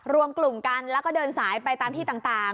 รวมกลุ่มกันแล้วก็เดินสายไปตามที่ต่าง